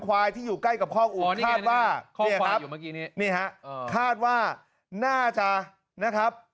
ควายที่อยู่ใกล้กับข้อกอุดคาดว่าคาดว่าน่าจะนะครับ